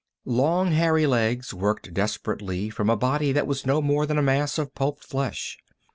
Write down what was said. Long, hairy legs worked desperately from a body that was no more than a mass of pulped flesh.